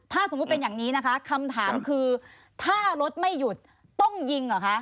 ถ้าสมมุติเป็นอย่างนี้นะคะคำถามคือถ้ารถไม่หยุดต้องยิงเหรอคะ